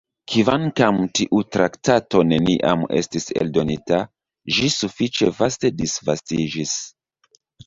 Kvankam tiu traktato neniam estis eldonita, ĝi sufiĉe vaste disvastiĝis.